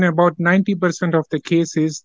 di sekitar sembilan puluh persen kes ini